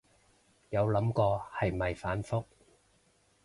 有諗過係咪反覆